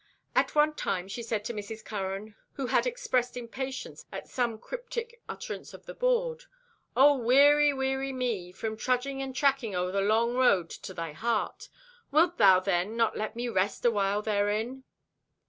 At one time she said to Mrs. Curran, who had expressed impatience at some cryptic utterance of the board: "Ah, weary, weary me, from trudging and tracking o'er the long road to thy heart! Wilt thou, then, not let me rest awhile therein?"